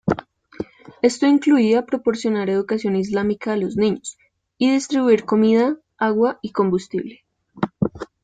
Esto incluía proporcionar educación islámica a los niños, y distribuir comida, agua y combustible.